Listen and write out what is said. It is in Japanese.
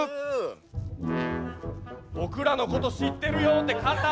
僕らのこと知ってるよって方！